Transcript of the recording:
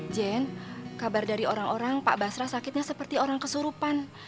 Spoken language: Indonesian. jen kabar dari orang orang pak basra sakitnya seperti orang kesurupan